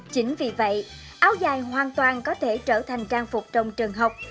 chính vì vậy áo dài hoàn toàn có thể trở thành trang phục trong trường học